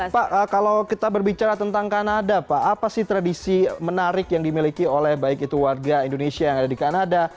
pak kalau kita berbicara tentang kanada pak apa sih tradisi menarik yang dimiliki oleh baik itu warga indonesia yang ada di kanada